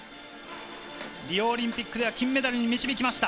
リオオリンピックでは金メダルに導きました。